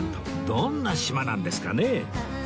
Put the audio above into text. どんな島なんですかね？